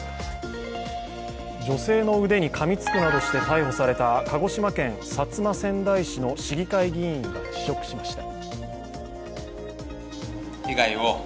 女性の腕にかみつくなどして逮捕された鹿児島県薩摩川内市の市議会議員が辞職しました。